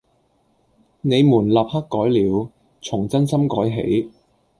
「你們立刻改了，從眞心改起！